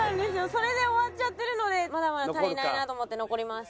それで終わっちゃってるのでまだまだ足りないなと思って残ります。